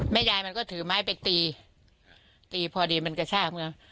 ยายมันก็ถือไม้ไปตีตีพอดีมันกระชากไง